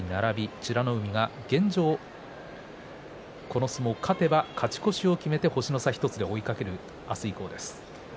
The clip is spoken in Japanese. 美ノ海は現状ではこの相撲を勝てば勝ち越しを決めて星の差１つで追いかける明日以降です。